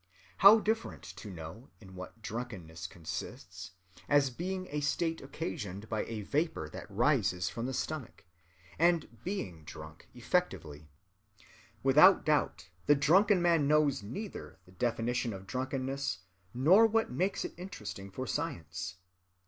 How different to know in what drunkenness consists,—as being a state occasioned by a vapor that rises from the stomach,—and being drunk effectively. Without doubt, the drunken man knows neither the definition of drunkenness nor what makes it interesting for science.